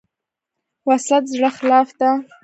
وسله د زړه خلاف ده